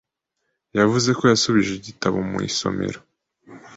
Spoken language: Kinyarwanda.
Yavuze ko yasubije igitabo mu isomero.